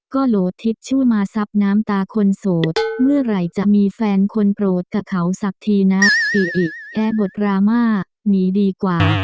ก็โหลดทิศชื่อมาซับน้ำตาคนโสดเมื่อไหร่จะมีแฟนคนโปรดกับเขาสักทีนะอิอิแอร์บทดราม่าหนีดีกว่า